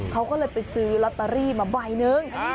เขาก็เลยไปซื้อลอตเตอรี่มาใบนึง